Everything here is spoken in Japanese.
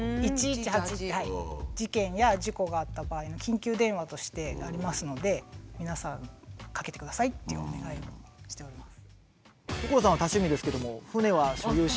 事件や事故があった場合の緊急電話としてありますので皆さんかけてくださいっていうお願いをしております。